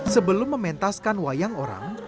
sebelum mementaskan wayang orang